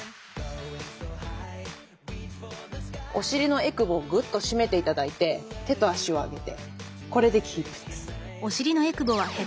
お尻のえくぼをグッと締めて頂いて手と足を上げてこれでキープです。